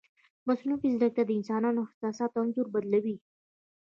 مصنوعي ځیرکتیا د انساني احساساتو انځور بدلوي.